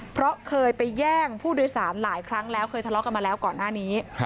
เพราะเคยไปแย่งผู้โดยสารหลายครั้งแล้วเคยทะเลาะกันมาแล้วก่อนหน้านี้